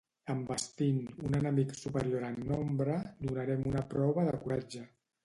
Envestint un enemic superior en nombre donaren una prova de coratge.